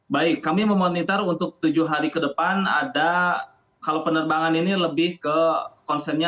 baik kami memonitor untuk tujuh hari ke depan ada kalau penerbangan ini lebih ke konsennya